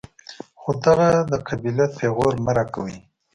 خو دغه د قبيلت پېغور مه راکوئ.